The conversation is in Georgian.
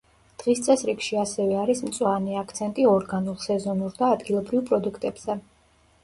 დღის წესრიგში ასევე არის მწვანე, აქცენტი ორგანულ, სეზონურ და ადგილობრივ პროდუქტებზე.